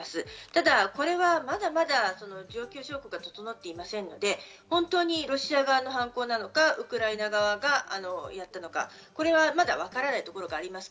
ただこれはまだまだ状況証拠が整っていませんので、ロシア側の犯行なのかウクライナ側がやったのか、まだわからないところがあります。